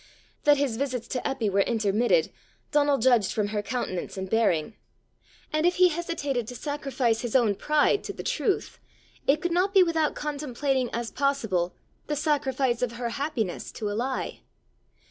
That his visits to Eppy were intermitted, Donal judged from her countenance and bearing; and if he hesitated to sacrifice his own pride to the truth, it could not be without contemplating as possible the sacrifice of her happiness to a lie.